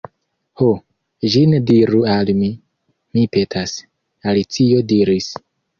"Ho, ĝin diru al mi, mi petas," Alicio diris.